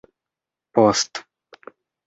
post